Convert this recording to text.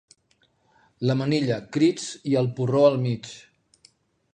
La manilla, crits i el porró al mig.